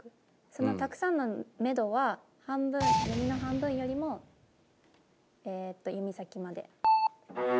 その「たくさん」のめどは半分弓の半分よりも弓先まで。